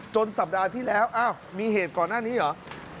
สัปดาห์ที่แล้วอ้าวมีเหตุก่อนหน้านี้เหรอ